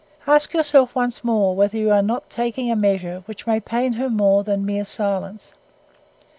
Ask yourself once more whether you are not taking a measure which may pain her more than mere silence.